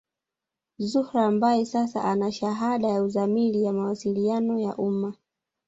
Zuhura ambaye sasa ana shahada ya uzamili ya mawasiliano ya umma